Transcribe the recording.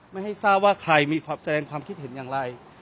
ไม่ให้ทราบว่าใครมีความแสดงความคิดเห็นอย่างไร